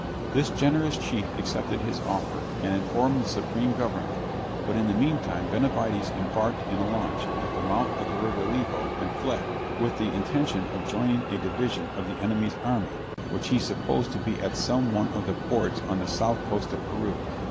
This generous chief accepted his offer, and informed the supreme government; but in the meantime Benavides embarked in a launch, at the mouth of the river Lebo, and fled, with the intention of joining a division of the enemy's army, which he supposed to be at some one of the ports on the south coast of Peru.